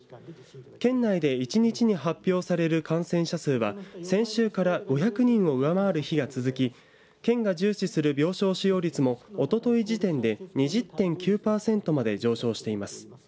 県内で１日に発表される感染者数は先週から５００人を上回る日が続き県が重視する病床使用率もおととい時点で２０．９パーセントまで上昇しています。